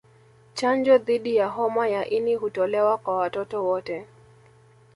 Chanjo dhidi ya homa ya ini hutolewa kwa watoto wote